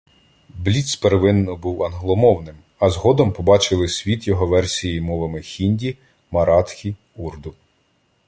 Бліц первинно був англомовним, а згодом побачили світ його версії мовами хінді, маратхі, урду.